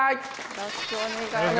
よろしくお願いします。